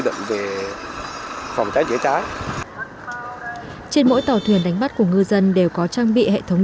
động về phòng cháy chữa cháy trên mỗi tàu thuyền đánh bắt của ngư dân đều có trang bị hệ thống